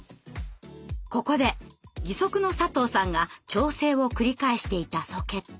ここで義足の佐藤さんが調整を繰り返していたソケット。